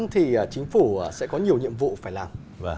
thì chính phủ sẽ có nhiều nhiệm vụ phải làm